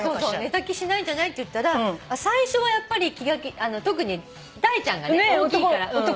寝た気しないんじゃない？って言ったら最初は特にダイちゃんがね大きいから。